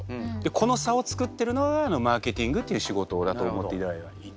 この差を作ってるのがマーケティングという仕事だと思っていただければいい。